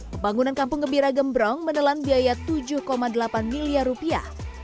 pembangunan kampung gembira gembrong menelan biaya tujuh delapan miliar rupiah